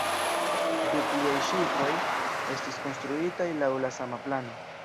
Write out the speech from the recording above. Du pliaj ŝipoj estis konstruitaj laŭ la sama plano.